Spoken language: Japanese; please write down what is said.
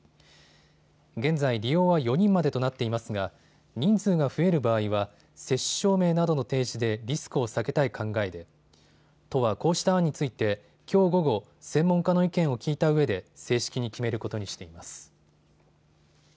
現在、利用は４人までとなっていますが人数が増える場合は接種証明などの提示でリスクを避けたい考えで都はこうした案についてきょう午後、専門家の意見を聞いたうえで正式に決めることにしています。